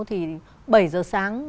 thì bảy giờ sáng